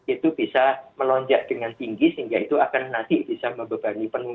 itu bisa melonjak dengan tinggi sehingga itu akan nanti bisa membebani